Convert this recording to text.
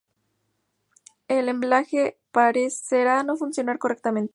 El embalaje parecerá no funcionar correctamente.